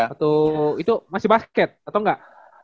waktu itu masih basket atau enggak